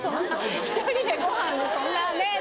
１人でご飯そんなねぇ